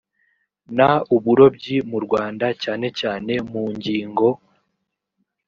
n uburobyi mu rwanda cyane cyane mu ngingo